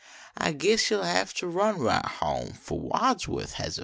I guess you ll have to run right home Fore YVadsworth has a fit."